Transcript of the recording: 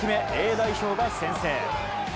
代表が先制。